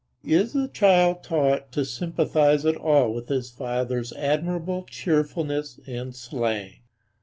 Is the child taught to sympathize at all with his father's admirable cheerfulness and slang?